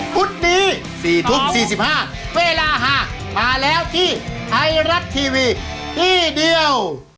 พุธนี้๔ทุ่ม๔๕เวลาหามาแล้วที่ไทยรัฐทีวีที่เดียว